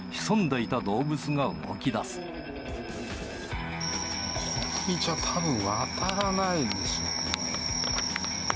この道はたぶん、渡らないでしょうね。